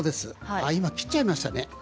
今、切っちゃいましたね。